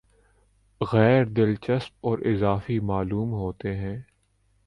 غیر دلچسپ اور اضافی معلوم ہوتے ہیں